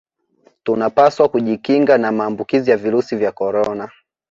tunapaswa kujikinga na maambukizi ya virusi vya korona